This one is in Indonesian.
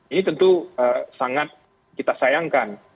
ini tentu sangat kita sayangkan